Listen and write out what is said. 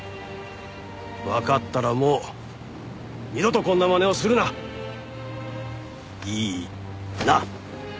わかったらもう二度とこんなまねをするな。いいな？